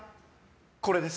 これです。